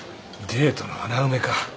デートの穴埋めか。